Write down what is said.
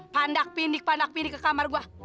pandak pindik pandak pidi ke kamar gue